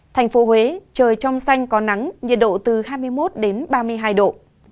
thành phố huế trời trong xanh có nắng nhiệt độ từ hai mươi một đến ba mươi hai độ